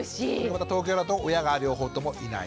また東京だと親が両方ともいない。